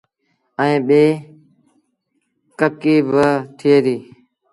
ائيٚݩ ٻيٚ ڪڪي با ٿئي ديٚ۔